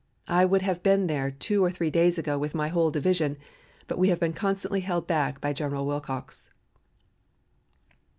I would have been there two or three days ago with my whole division, but have been constantly held back by General Wilcox."